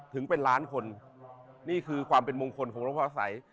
ถึงเป็นล้านคนนี่คือความเป็นมงคลของหลวงพ่ออาศัย